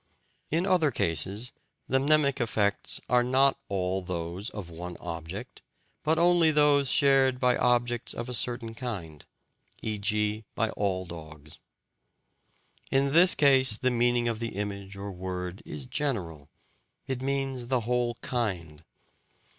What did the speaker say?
In other cases the mnemic effects are not all those of one object, but only those shared by objects of a certain kind, e.g. by all dogs. In this case the meaning of the image or word is general: it means the whole kind.